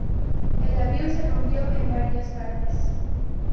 El avión se rompió en varias partes.